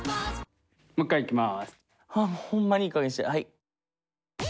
もう一回いきます。